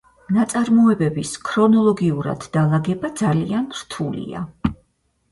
ნაწარმოებების ქრონოლოგიურად დალაგება ძალიან რთულია.